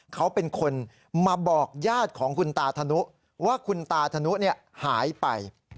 เขาเป็นคนมาบอกญาติของคุณตาธนุว่าคุณตาธนุหายไป